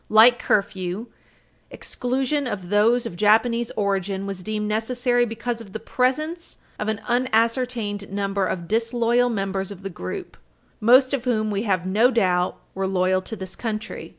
Like curfew, exclusion of those of Japanese origin was deemed necessary because of the presence of an unascertained number of disloyal members of the group, most of Page 323 U. S. 219 whom we have no doubt were loyal to this country.